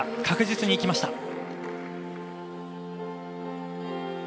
確実にいきました。